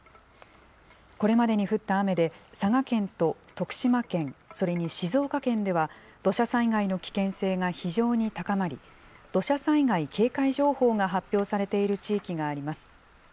これまでに降った雨で、佐賀県と徳島県、それに静岡県では、土砂災害の危険性が非常に高まり、土砂災害警戒情報が発表されている地域があります。